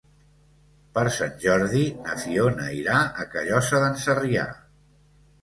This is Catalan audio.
Per Sant Jordi na Fiona irà a Callosa d'en Sarrià.